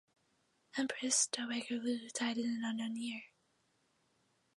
Empress Dowager Luo died in an unknown year.